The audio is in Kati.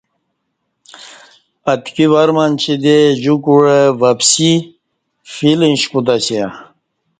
اتکی ور منچی دے جوکوعہ وپسی فیل اوش کوتہ سیہ